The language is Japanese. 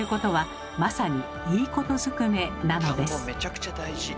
田んぼめちゃくちゃ大事。